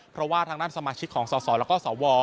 เพราะว่าทางด้านสมาชิกของสสแล้วก็สว